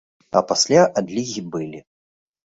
А пасля адлігі былі.